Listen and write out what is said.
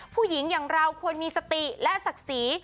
ผู้หญิงอย่างเราควรมีสติและศักดิ์ศรี